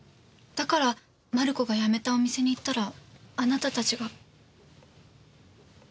だからマルコが辞めたお店に行ったらあなたたちが。